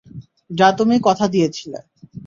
যা তুমি কথা দিয়েছিলে।